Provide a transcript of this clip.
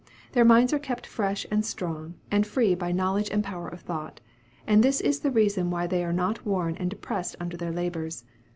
Their minds are kept fresh, and strong, and free by knowledge and power of thought; and this is the reason why they are not worn and depressed under their labors.